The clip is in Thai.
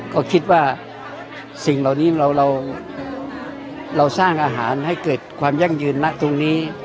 ก็คิดว่าสิ่งเหล่านี้เราสร้างอาหารให้เกิดความยั่งยืนนะตรงนี้